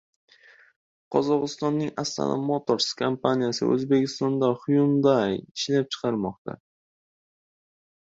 Qozog‘istonning “Astana Motors” kompaniyasi O‘zbekistoda “Hyundai” ishlab chiqarmoqchi